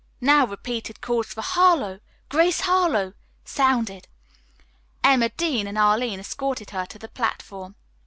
Now repeated calls for "Harlowe! Grace Harlowe!" sounded. Emma Dean and Arline escorted her to the platform.